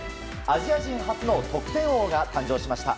アジア人初の得点王が誕生しました。